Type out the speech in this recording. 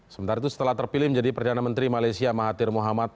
sementara itu setelah terpilih menjadi perdana menteri malaysia mahathir muhammad